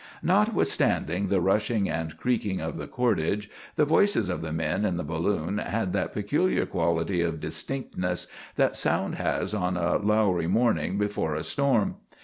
Notwithstanding the rushing and creaking of the cordage, the voices of the men in the balloon had that peculiar quality of distinctness that sound has on a lowery morning before a storm.